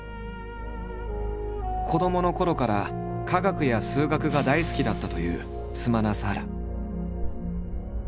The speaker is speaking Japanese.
子どものころから科学や数学が大好きだったというスマナサーラ。